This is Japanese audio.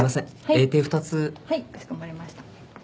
Ａ定２つはいかしこまりました